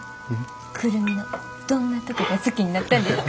久留美のどんなとこが好きになったんですか？